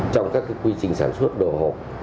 trong các quy trình sản xuất đồ hộp